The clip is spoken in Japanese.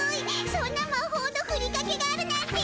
そんなまほうのふりかけがあるなんて！